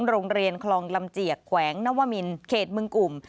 โรงเรียนคลองลำเจียกแขวงนวมินเขตเมืองกลุ่ม